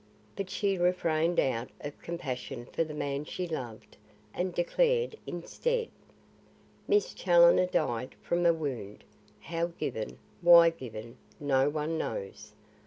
But she refrained out of compassion for the man she loved, and declared instead, "Miss Challoner died from a wound; how given, why given, no one knows.